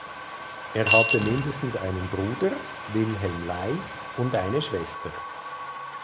Er hatte mindestens einen Bruder (Wilhelm Lai) und eine Schwester.